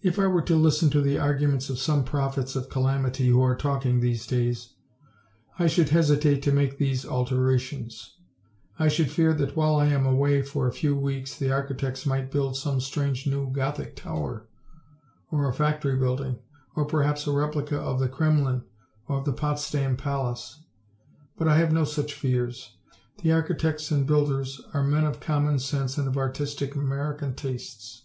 If I were to listen to the arguments of some prophets of calamity who are talking these days, I should hesitate to make these alterations. I should fear that while I am away for a few weeks the architects might build some strange new Gothic tower or a factory building or perhaps a replica of the Kremlin or of the Potsdam Palace. But I have no such fears. The architects and builders are men of common sense and of artistic American tastes.